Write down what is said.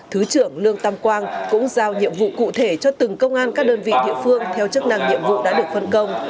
thứ trưởng lương tam quang cũng giao nhiệm vụ cụ thể cho từng công an các đơn vị địa phương theo chức năng nhiệm vụ đã được phân công